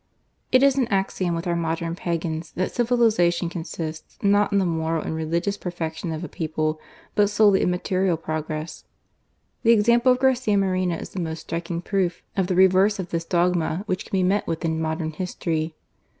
It is an axiom with our modem pa^ns that civiliza ■ tion consists, not in the moral and religious per fection of a people, but solely in material progress. The example of Garcia Moreno is the most striking proof of the reverse of this dogma which can be met with in modern history.